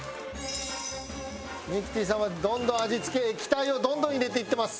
ミキティさんはどんどん味付け液体をどんどん入れていってます。